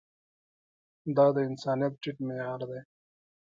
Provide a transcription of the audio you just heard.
دا د انسانيت ټيټ معيار دی.